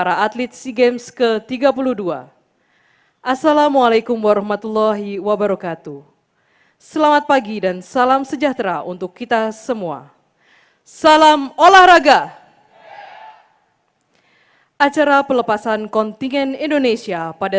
raya kebangsaan indonesia raya